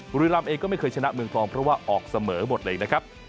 บุรีรำเองก็ไม่เคยชนะเมืองทองเพราะว่าออกเสมอหมดเลยนะครับ